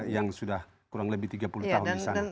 yang sudah kurang lebih tiga puluh tahun di sana